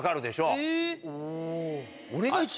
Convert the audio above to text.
うん。